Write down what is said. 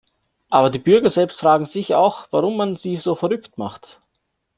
Aber die Bürger selbst fragen sich auch, warum man sie so verrückt macht!